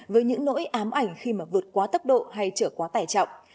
với những nỗi ám ảnh khi mà vượt quá tốc độ hay trở quá tải trọng